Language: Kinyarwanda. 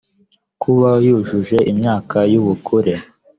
kuba yujuje imyaka y’ubukure